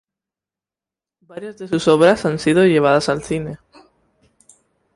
Varias de sus obras han sido llevadas al cine.